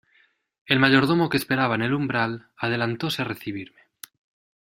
el mayordomo que esperaba en el umbral, adelantóse a recibirme